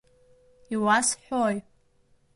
Иуасҳәои?!